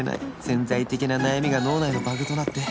潜在的な悩みが脳内のバグとなって